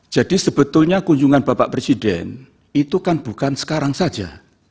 jadi sebetulnya kunjungan bapak presiden itu kan bukan sekarang saja